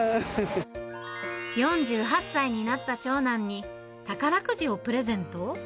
４８歳になった長男に、宝くじをプレゼント？